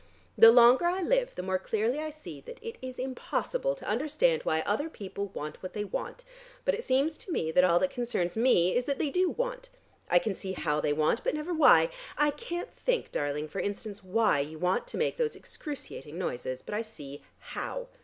The longer I live the more clearly I see that it is impossible to understand why other people want what they want, but it seems to me that all that concerns me is that they do want. I can see how they want, but never why. I can't think, darling, for instance, why you want to make those excruciating noises, but I see how.